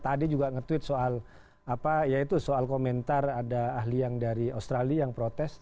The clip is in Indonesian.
tadi juga nge tweet soal apa ya itu soal komentar ada ahli yang dari australia yang protes